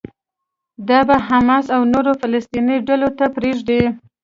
دا به حماس او نورو فلسطيني ډلو ته پرېږدي.